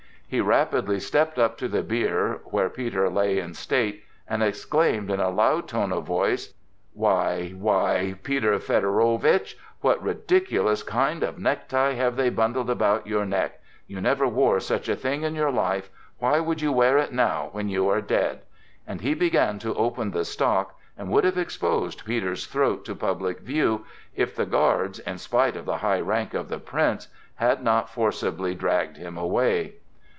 He rapidly stepped up to the bier, where Peter lay in state, and exclaimed in a loud tone of voice: "Why, why, Peter Fedorowitch, what ridiculous kind of necktie have they bundled around your neck? You never wore such a thing in your life; why should you wear it now when you are dead?" And he began to open the stock, and would have exposed Peter's throat to public view, if the guards, in spite of the high rank of the Prince, had not forcibly dragged him away.